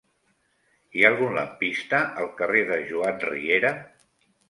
Hi ha algun lampista al carrer de Joan Riera?